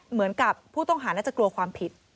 เหมือนกับผู้ต้องหาน่าจะกลัวความผิด